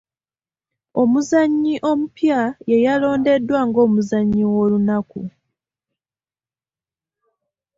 Omuzannyi omupya yeyalondeddwa nga omuzannyi w'olunaku.